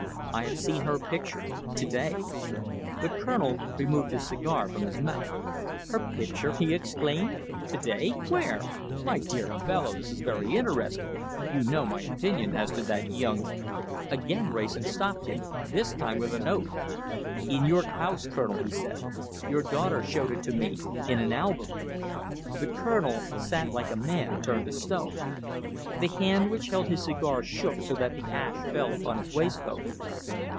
I have seen her picture to day." The Colonel removed his cigar from his mouth. "Her picture!" he exclaimed. "To day! Where? My dear fellow, this is very interesting! You know my opinion as to that young " Again Wrayson stopped him, this time with an oath. "In your house, Colonel," he said. "Your daughter showed it to me in an album!" The Colonel sat like a man turned to stone. The hand which held his cigar shook so that the ash fell upon his waistcoat.